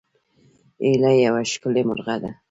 هیلۍ یوه ښکلې مرغۍ ده